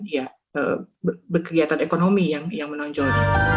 ya berkegiatan ekonomi yang menonjol